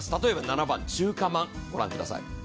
例えば７番、中華まん、ご覧ください